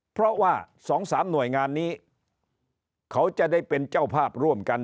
เพราะว่า๒๓หน่วยงานนี้เขาจะได้เป็นเจ้าภาพร่วมกัน